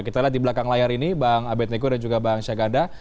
kita lihat di belakang layar ini bang abe tengku dan juga bang syahgar